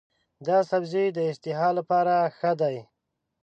دا سبزی د اشتها لپاره ښه دی.